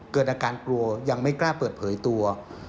เกิดอาการกลัวยังไม่กล้าเปิดเผยตัว